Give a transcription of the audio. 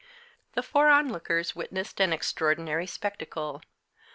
The four onlookers witnessed an extraordinary spectacle.